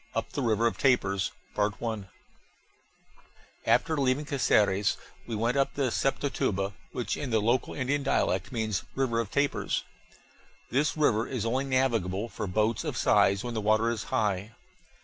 UP THE RIVER OF TAPIRS After leaving Caceres we went up the Sepotuba, which in the local Indian dialect means River of Tapirs. This river is only navigable for boats of size when the water is high.